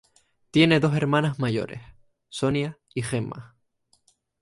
Tiene dos hermanas mayores, Sonia y Gemma.